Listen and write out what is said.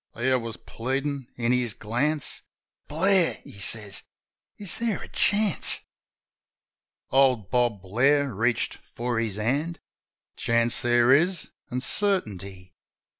There was pleadin' in his glance: "Blair," he says, "is there a chance?" Old Bob Blair reached for his hand. "Chance there is, an' certainty.